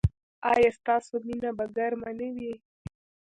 ایا ستاسو مینه به ګرمه نه وي؟